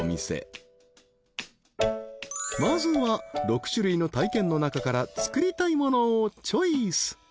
［まずは６種類の体験の中から作りたいものをチョイス］